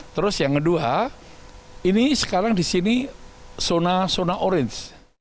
terus yang kedua ini sekarang di sini zona zona orange